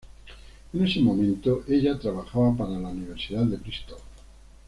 En ese momento, ella trabajaba para la Universidad de Bristol.